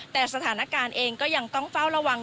แต่สถานการณ์เองก็ยังต้องเฝ้าระวัง